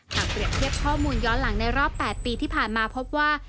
เปรียบเทียบข้อมูลย้อนหลังในรอบ๘ปีที่ผ่านมาพบว่า